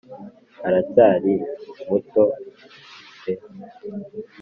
Aracyari muto pe